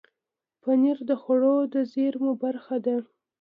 پنېر د خوړو د زېرمو برخه ده.